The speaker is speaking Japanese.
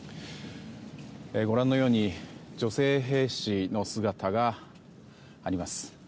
ご覧のように女性兵士の姿があります。